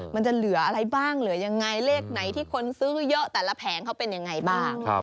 มันจะเหลืออะไรบ้างเหลือยังไงเลขไหนที่คนซื้อเยอะแต่ละแผงเขาเป็นยังไงบ้าง